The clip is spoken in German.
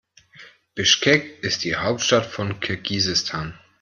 Bischkek ist die Hauptstadt von Kirgisistan.